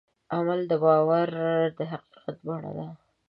عمل د باور د حقیقت بڼه ده.